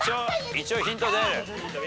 一応ヒント出る。